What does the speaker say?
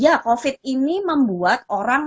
ya covid ini membuat orang